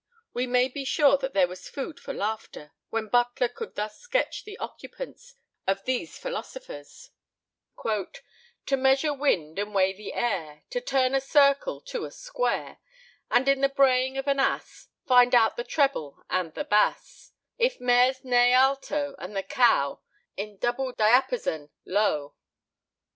We may be sure that there was food for laughter, when Butler could thus sketch the occupations of these philosophers: "To measure wind and weigh the air, To turn a circle to a square, And in the braying of an ass Find out the treble and the bass, If mares neigh alto, and a cow In double diapason low."